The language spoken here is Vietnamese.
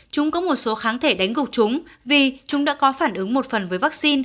chúng có một số kháng thể đánh gục chúng vì chúng đã có phản ứng một phần với vaccine